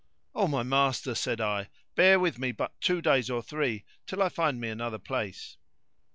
"O my master" said I, "bear with me but two days or three, till I find me another place."